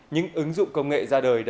những ứng dụng công nghệ ra đời